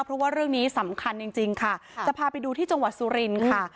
เพราะว่าเรื่องนี้สำคัญจริงค่ะจะพาไปดูที่จังหวัดสุรินทร์ค่ะ